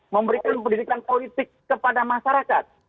memberikan pendidikan politik kepada masyarakat